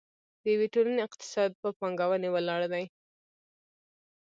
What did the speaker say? د یوې ټولنې اقتصاد په پانګونې ولاړ دی.